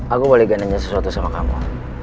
aku boleh gananya sesuatu sama kamu